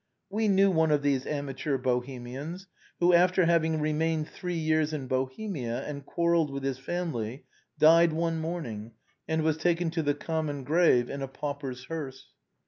We knew one of these amateur Bohemians who, after having remained three years in Bohemia and quarrelled with his family, died one morning, and was taken to the common grave in a pauper's hearse.